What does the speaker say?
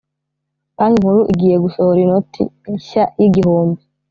banki nkuru igiye gusohora inoti shya y’ igihumbi